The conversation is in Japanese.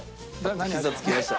ひざつきました。